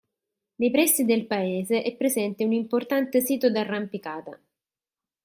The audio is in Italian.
Nei pressi del paese è presente un importante sito d'arrampicata.